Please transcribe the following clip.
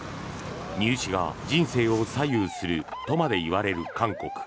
入試が人生を左右するとまで言われる韓国。